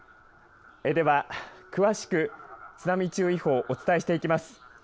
では詳しく津波注意報お伝えしていきます。